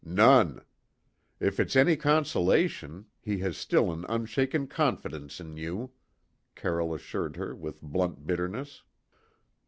"None. If it's any consolation, he has still an unshaken confidence in you." Carroll assured her with blunt bitterness.